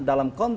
dalam hal ini